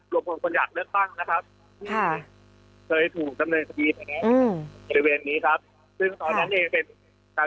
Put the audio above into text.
หรือบริเวณคนอยากเลือกตั้งนะครับเคยถูกสำเนินสมีตในบริเวณนี้ครับ